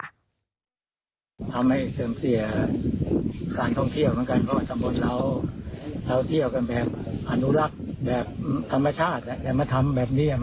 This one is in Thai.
นานาอะไรอย่างนี้ผมทำให้ตามท่องเที่ยว